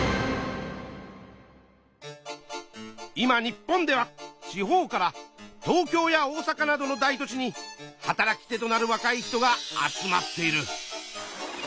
今日本では地方から東京や大阪などの大都市に働き手となるわかい人が集まっている。